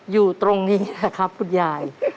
อยู่ตรงนี้แหละครับคุณยาย